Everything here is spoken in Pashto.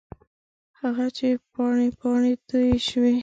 هغه چې پاڼې، پاڼې توی شوه